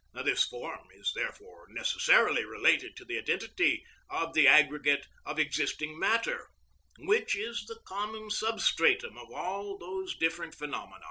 This norm is therefore necessarily related to the identity of the aggregate of existing matter, which is the common substratum of all those different phenomena.